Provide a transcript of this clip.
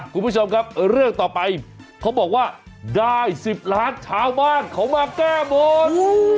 คุณผู้ชมครับเรื่องต่อไปเขาบอกว่าได้๑๐ล้านชาวบ้านเขามาแก้บน